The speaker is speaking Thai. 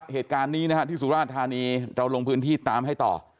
เหตุการณ์นี้นะฮะที่สุราธานีเราลงพื้นที่ตามให้ต่อ